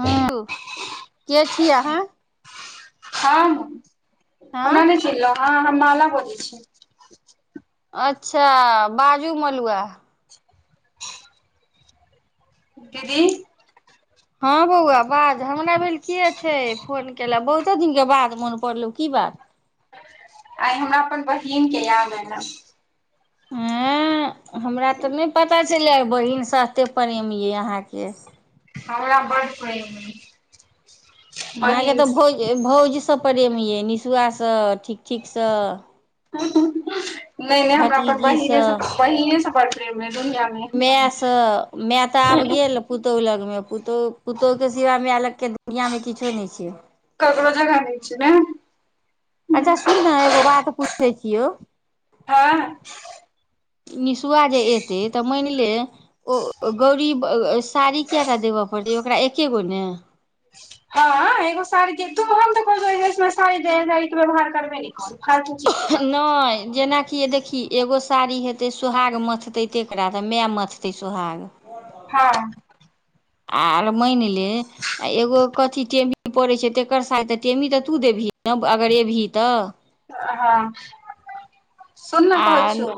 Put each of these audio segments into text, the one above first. हँ के छी अहाँ हम हमरा हँ नहि चिनलौं अहाँ हम माला बजै छी अच्छा बाजू मलुआ दीदी हँ बौआ बाज हमरा भेल के छै फोन केले बहुत ते दिनके बाद मोन पड़लौ की बात आइ हमरा अपन बहिन के याद एलै एं हमरा तऽ नहि पता छलैये बहिन सू एतेक प्रेम यए अहाँके हमरा बड्ड प्रेम अय अहाँके तऽ भौज भौजीसँ प्रेम अइ निसुआसँ ठीक ठीकसँ नहि नहि हमरा अपन भतीजीसँ बहिनेसँ बहिनेसँ बड़ प्रेम अय दुनियाँ मे सँ मे तऽ आब गेल पुतहु लगमे पुतहु पुतहुके सिवा मे लगके दुनियाँमे किछो नहि छै ककरो जगह नहि छै ने अच्छा सुन ने एगो बात पूछै छियौ [inaudible] निसुआ जे एतै तऽ मानि लेल ओ गौरी साड़ी कए टा देबय पड़ै ओकरा एके गो ने हँ एगो साड़ीके तू हम त कहलियो इसे निक साड़ी देबे के व्यवहार करबे ने कर फालतू चीज तू करबही नहि जेनाकि देख ही एगो साड़ी हेतै सोहाग मथतै तेकरा तऽ मे मथतै सोहाग हँ आर मानि ले आ एगो कथी टेमी पड़ैत छै तेकर सारी तऽ टेमी तऽ तू देबही ने अगर ऐबही तऽ हँ सुन ने आ कहै छियौ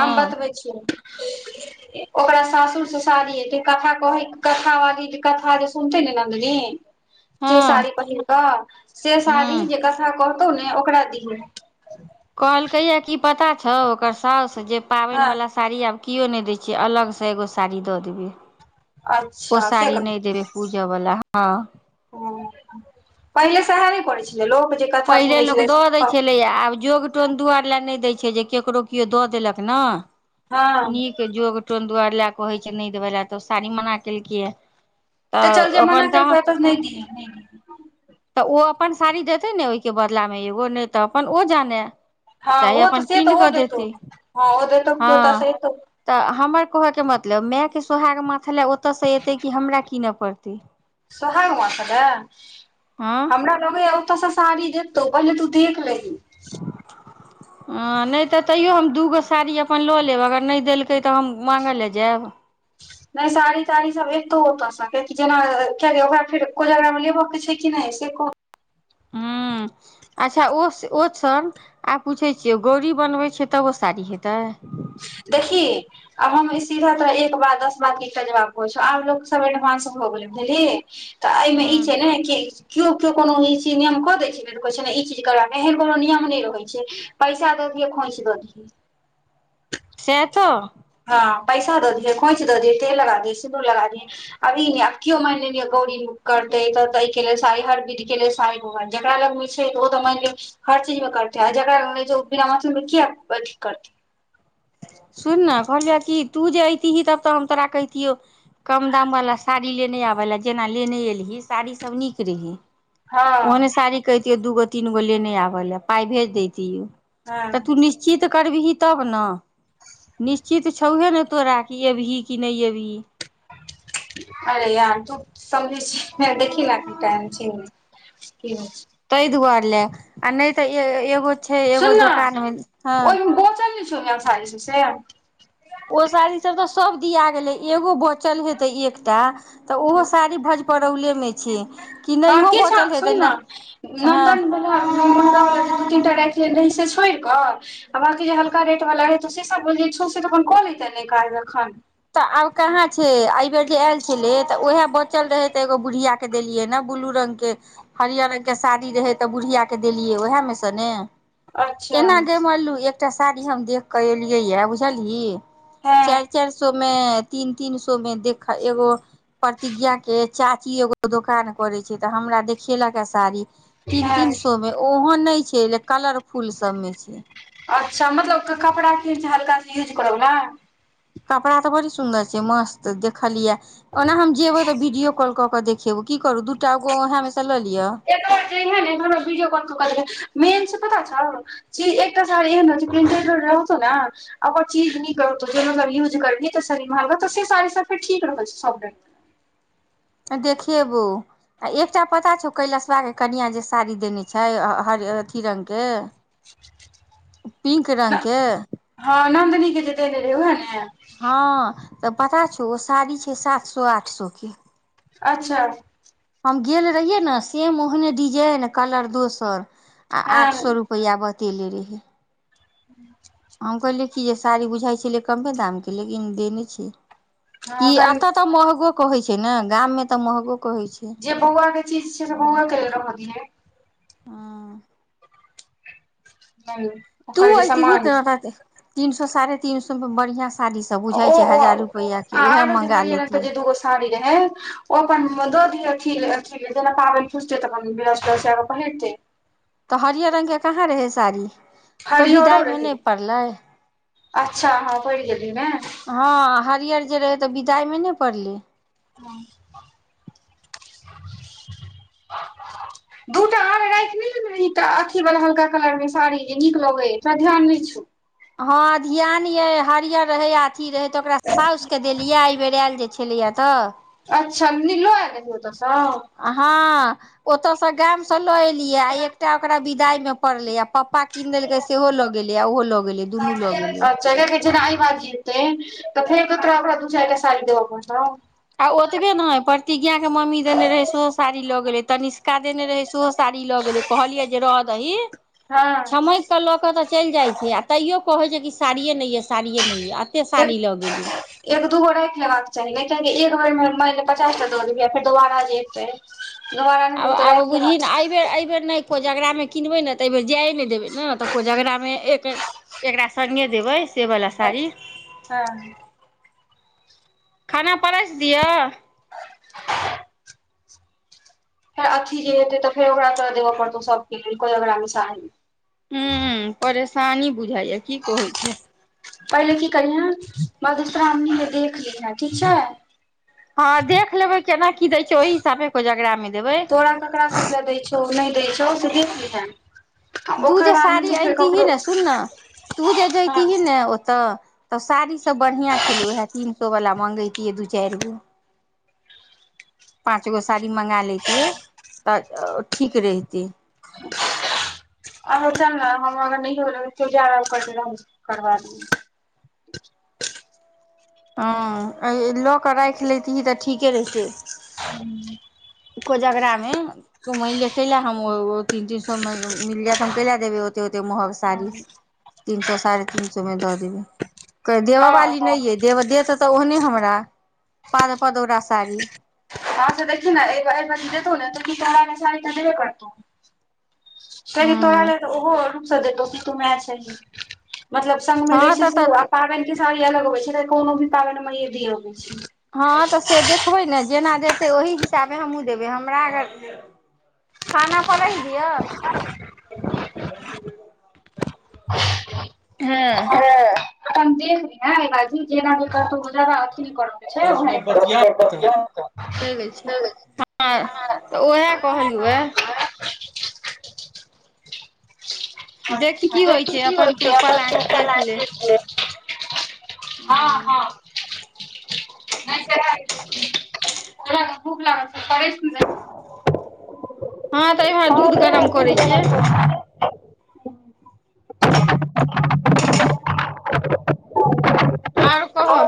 हम बतबै छीयौ [inaudible] ओकरा सासुर से सारी एतै कथा कहै कथा वाली जे कथा जे सुनते ने नन्दिनी जे हँ साड़ी पहिर कऽ से साड़ी हँ जे कथा कहतौ ने ओकरा दिहीन कहलकै ये की पता छौ ओकर सााउस जे पाबनि हँ वला साड़ी आब कियो नहि दै छै अलगसँ एगो साड़ी दऽ देबै ओ अच्छा से सारी नहि देबै पूजऽ वला हँ हँ पहिले सएह नहि कड़ै छेलै लोक जे कथा पहिले सुनै लोक छलै दऽ दै हँ छेलै आब जोगटोन दुआरे ले नहि दै छै जे केकरो केओ दऽ देलक ने नीक के जोग टोन दुआरे ले कहै छै नहि देबऽ ले तऽ ओ साड़ी मना केलकैये तऽ चल जे मना केलकौ ए तऽ नहि दिहें तऽ ओ अपन साड़ी देतै ने ओहिके बदलामे एगो नहि तऽ अपन ओ जानै हँ चाहे ओ अपन तऽ से कीनि तऽ ओ कऽ देतौ देतै हँ ओ देतौ हँ केओ तऽ से देतौ तऽ हमर कहयके मतलब मायके सोहागे माथ लए ओतयसँ एतै कि हमरा कीनऽ पड़तै सोहागे माथ ले हँ हमरा होय ये ओतऽसँ साड़ी देतौ पहिले तू देख लेही हँ नहि तऽ तैयो हम दूगो साड़ी अपन लऽ लेब अगर नहि देलकै तऽ हम माँगै लए जाएब [inaudible] नहि साड़ी ताड़ी सब एतौ ओतऽ से कियकि जेना कियकि ओकरा फेर कोजगरा मे लेबऽ के छै कि नहि से को हूँ [inaudible] अच्छा ओ ओ छ आ पूछै छियै गौरी बनबै छियै तब ओ साड़ी हेतै देखि आब हम सीधा तो एक बार दस बार की कल जबा कहै छ आब लोक सब एडवानंस भ गेलै बुझली तऽ एहिमे ई हूँ छै ने कि केओ केओ कोनो ई चीज नियम क दय छल तऽ कह छै ने ई चीज करबा के एहन कोनो नियम नहि रहै छै पैसा द दिहैं खोइछ दियै सेह तऽ हँ पैसा दऽ दियै खोइच दऽ दिय तेल लगा दिय सिन्दूर लगा दियै अभी आब कियो मानि लिय गौरी करतै तऽ त ई के लेल सारी हर बीध के लेल साडी़ जेकरा लगमे छै ओ त म ल हर चीज में करत ह आ जगरा ग्रामचलमे किया अती करतै सुन ने कहलियह कि तू जे ऐतिही तब तऽ हम तोरा कहितियौ कम दाम वला साड़ी लेने आबय लए जेना लेने एलही साड़ीसभ नीक रहै हँ ओहने साड़ी कहितियो दूगो तीन गो लेने आबल ल पाय भेज देैतोयो तऽ तू हँ निश्चित करबिहि तब ने निश्चित छौहे ने तोरा कि एबही कि नहि एबही अरे यार तू समझै छ देखि नेटा चन् की [inaudible] त दु गआर ले आ नहि तऽ एगो छै एगो सुन न दोकानमे हँ ओहिमे बोचल नहि छौ म छ छ से ओ साड़ी सब तऽ सब दिया गेलै एगो बचल हेतै एकटा तऽ ओहो साड़ी भज परौलेमे छै कि हँ नहिय किछु बचल सुन हेतै ने नन्दन वला महगा वालला जे दू तीन टा राखे रहै से छोड़ि कऽ आ बकी जे हल्का रेट वला रहै तो से सब बोल छो तऽ अपन कऽ लेते ने काज एखन तऽ आब कहाँ छै बेर जे आयल छले तऽ उएहे बचल रहे ते एगो बुढ़िया के देलियै ने ब्लू रंग के हरियर रंगके साड़ी रहै तऽ बुढ़िया के देलियै उएहमे सँ ने अच्छा एना गेमललू एकटा साड़ी हम देख कऽ एलियै यए बुझलियी हँ चारि चारि सो मे तीन तीन सो मे देखा एगो प्रतिज्ञा के चाची एगो दोकान करे छै तऽ हमरा देखेलक ह साड़ी तीन हँ तीन सो मे ओहोन नहि छै कलरफुल सबमे छै अच्छा मतलब कपड़ा कीन हल्का से यूज करबला कपड़ा तऽ बड़ी सुंदर छै मस्त देखलियै ओना हम जेबे तऽ वीडियो कॉल कऽ के देखेबो की करू दूटा गगो उह मेसा लऽ लिअ एत जे ने एकमे भीडियओ कल क क मेन छै पता छौ ची एकटा साड़ी एन रहतौ ने अगर चीज कर यूज कर त म तीेर ठीक रहै त देखेबौ आ एकटा पता छौ कैलसवा के कनिआ जे साड़ी देने छै हरियर अथी रंग के [inaudible] पिंक रंगके हँ नन्दनीके के जे देने रहै वहए ने हँ तऽ पता छौ ओ साड़ी छै सात सए आठ सए के अच्छा हम गेल रहिये ने सेम ओहने डिजाइन कलर दोसर आ आठ हँ सए रुप रपैआ बतेले रहै ह [inaudible] हम कखलिए की साड़ी बुझाइ छल कमे दाम के लेकिन देने छै की हँ तखन तऽ महगो कहै छै ने गाम मे तऽ महगो कहै छै जे बौआ के चीज छै से बौआ के ल रह दियै हेलो तू ऐतिही त तीन सो साढ़े तीन सो मे बढ़िया सँ साड़ी सब बुझाइ ओ छै आ हजार रुपैआके ओएह आरो जे मँगा हरियर रंग के लैतियै जे दूगो साड़ी रहै ओ अपन द दिअ अथि लय अथि लय जेना पाबनि खुजते तऽ अपन वृहस्पति छै पहिरते तऽ हरिअर रंगके कहाँ रहै साड़ी तऽ हरिअरओ विदाइ मे रहे नहि पड़लै अच्छा हँ पर गेलीये न हँ हरिअर जे रहै तऽ विदाइमे नहि पड़लै ह [inaudible] दूटा आर राखि नहि रही अथी वाला हल्का कलर मे साड़ी जे नीक लगैय तोरा ध्यान नहि छौ हँ ध्यान यै हरियर रहै अथी रहै तऽ ओकरा सासुके देलियै एहिबर आयल जे छै एलेए तऽ अच्छा निलो आयल रहै ओतसँ हँ ओतयसँ गाम से लऽ एलियै आ एकटा ओकरा विदाई मे पड़ले या पप्पा कीन देलकै सेहो लग गेले आा ओहो लऽ गेले जेना एहि बाजि तऽ फेर फेरक तोरा ओकरा दू चारि टा साड़ी देब पड़तौ आ ओतबे ने है प्रतिज्ञा के मम्मी देने रहै सो साड़ी लऽ गेलै तनिष्का देने रहै सेहो साड़ी लऽ गेलै कहलियै जे रह दी हँ तऽ लऽ कऽ तऽ चलि जाइत छै आ तैयो कहैत छै कि साड़ियए नहि अऽ साड़ियए नहि अऽ एते एक साड़ी लऽ गेलै एक दूगो राखि लेबाक के चाही ने कआकि एक बेर मे मानि ले पचासटा दऽ देबियै फेरोदोबारा जें एते आब आब बुझही एहिबर एहिब बेर नहि कोजगरामे किनबै ने तऽ एहिबेर जाइ नहि देबै ने तऽ कोजगरामे एक एकरा सङ्गे देबै सेवला चाही साड़ी हँ खाना परेस दिअ फेर अथी जे हेते त फेर ओकरा तोरा देबय पड़तौ सब के कोजगरा मे साडी हू परेशानी बुझाइया की कहै छै पहिले की करिहे मधुश्रावणी के देख लीहें ठीक छै हँ देख लेबै केना की दै छै ओहि हिसाबे कोजगरा मे देबै ओ नहि द छों से देख लीहांय तू जे साड़ी अनतीही ने सुनना तू जे हँ जतीही ने ओतऽ तऽ साड़ीसभ बढ़िआँ छलै उएह तीन सए वला मँगेैतियै दू चारि गो पाँच गो साड़ी मँगा लैतियै तऽ ठीक रहितै अ चल ने हम अगर नै रहबे कियो जा हम करबा देबो हँ लऽ कऽ राखि लेैतही तऽ ठीके रहितै हुँ कोजगरा मे त मैन ले कैला हम तीन तीन सए मे मिल जा त हम कैला देबे ओते ओते महग साारी तीन सए साढ़े तीन सए मे द देबै कह देबऽ हँ वाली हँ नहि अइ दे देत तऽ ओहने हमरा पाद पदौरा साड़ी हँ त देखि ने एहि बेर देतौ ने तऽ की चढ़ा ल साड़ी तऽ देबे करतौ काहि तोरा ले हूँ तऽ ओहो रूपसँ देतौ कि तू माय छही मतलब संग मे रहै हँ छै तऽ सेहो आ तऽ पाबनि के साड़ी अलग होबै छै त कोनो भी पाबनि मेे भी अबै छै हँ तऽ से देखबै ने जेना देतै ओही हिसाबे हमहूँ देबै हमरा अगर खाना परेस दिय हँ हँ हम देख लिहां भाईजी जेना भी करतौ जादा अथी दस नहि मिनट बतिया करतौ [inaudible] दै छै हँ तऽ उएह कहलौ वए देखी की होइ छै अपन तू पलायन देख ले [unintelligible] हँ ह हँ नहि तरा भूक लाग करै परश हँ तऽ एम्हर दूध गरम करै छियै दहीती [unintelligible] [inaudible] आओर कह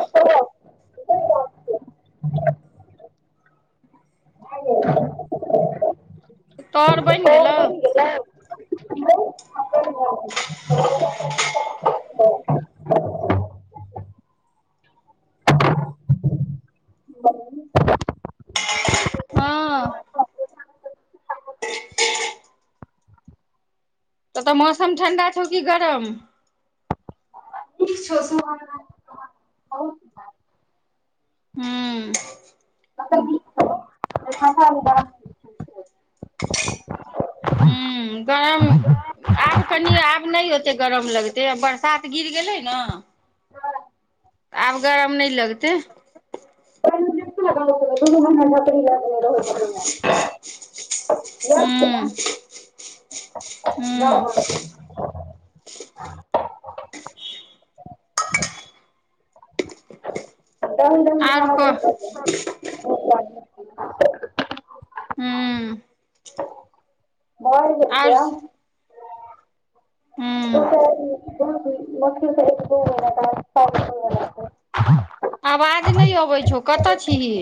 तोहर बनि गेलौ हं [inaudible] उतै मौसम ठण्डा छौ की गरम [unintelligible] बहुत हू मतलब नीक छौ [unintelligible] हूँ गरम [inaudible] आब कनि आब नहि ओतेक गरम लगतै आब बरसात गिर गेलै ने तऽ आब गरम नहि लगतै [inaudible] [unintelligible] हू याद छौ ह्म ने गाँव [inaudible] घर दही दही ओर खाना कहु दैत रहथिन बहुत बढ़ियां हू भऽ गेल छै और आब स दू हू [unintelligible] [inaudible] साउस आवाज नहि अबैत छौ कतऽ छीही